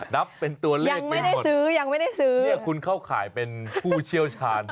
นับเป็นตัวเลขไม่ได้ซื้อยังไม่ได้ซื้อเนี่ยคุณเข้าข่ายเป็นผู้เชี่ยวชาญ